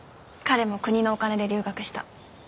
彼も国のお金で留学した。